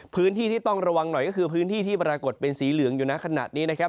พื้นที่ที่ต้องระวังหน่อยก็คือพื้นที่ที่ปรากฏเป็นสีเหลืองอยู่ในขณะนี้นะครับ